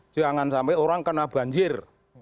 jangan sampai orang kena banjir